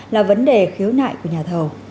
là vấn đề khiếu nại của nhà thầu